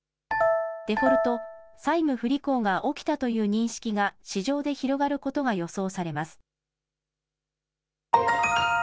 デフォルト・債務不履行が起きたという認識が市場で広がることが予想されます。